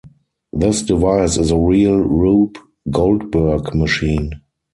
This device is a real Rube Goldberg machine.